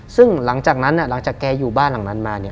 ซึ่งหลังจากนั้นหลังจากแกอยู่บ้านหลังนั้นมาเนี่ย